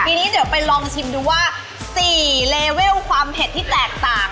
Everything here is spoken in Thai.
ทีนี้เดี๋ยวไปลองชิมดูว่า๔เลเวลความเผ็ดที่แตกต่าง